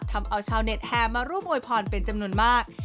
ทำเอาชาวเน็ตแห่มาร่วมอวยพรเป็นจำนวนมาก